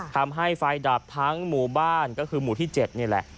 ทำให้ไฟดับทั้งหมู่บ้านก็คือหมู่ที่๗นี่แหละ